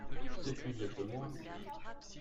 C'est plus vieux que moi.